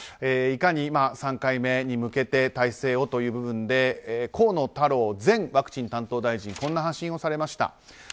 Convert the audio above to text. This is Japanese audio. いかに３回目に向けて体制をという部分で河野太郎前ワクチン担当大臣こんな発信をされました。